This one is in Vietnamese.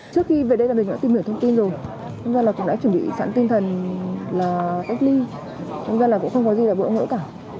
trước khi về đây là mình đã tìm hiểu thông tin rồi chúng ta cũng đã chuẩn bị sẵn tinh thần là cách ly chúng ta cũng không có gì là bữa ngỡ cả